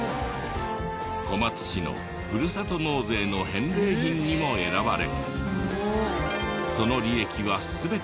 小松市のふるさと納税の返礼品にも選ばれ。